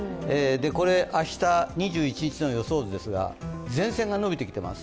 これ、明日２１日の予想図ですが前線が延びてきています。